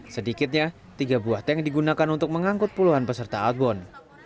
sedikitnya tiga buah tank digunakan untuk mengangkut puluhan peserta abon